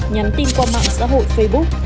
nhắn tin qua mạng xã hội facebook